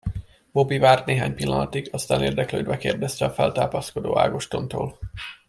Bobby várt néhány pillanatig, aztán érdeklődve kérdezte a feltápászkodó Ágostontól.